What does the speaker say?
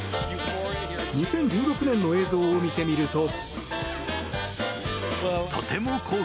２０１６年の映像を見てみると。